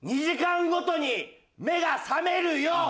２時間ごとに目が覚めるよ！